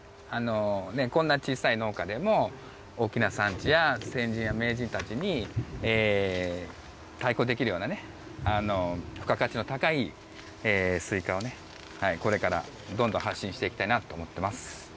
こんな小さい農家でも大きな産地や先人や名人たちに対抗できるようなね、付加価値の高いスイカをね、これからどんどん発信していきたいなと思っています。